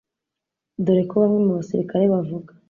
dore ko bamwe mu basirikare bavuga